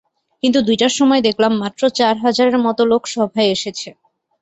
কিন্তু দুইটার সময় দেখলাম, মাত্র চার হাজারের মতো লোক সভায় এসেছে।